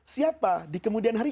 siapa di kemudian hari